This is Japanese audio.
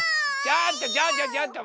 ちょっと！